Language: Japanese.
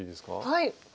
はい。